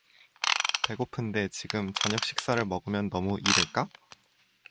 배고픈데 지금 저녁 식사를 먹으면 너무 이를까?